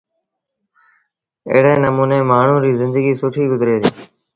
ايڙي نموٚني مآڻهوٚٚݩ ريٚ زندگيٚ سُٺيٚ گزري ديٚ۔